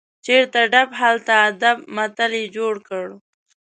چیرته ډب، هلته ادب متل یې جوړ کړ.